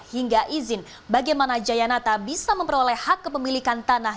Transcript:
hingga izin bagaimana jayanata bisa memperoleh hak kepemilikan tanah